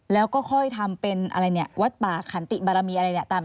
แล้วก็ค่อยทำเป็นอะไรเนี่ยวัดป่าขันติบารมีอะไรเนี่ยตาม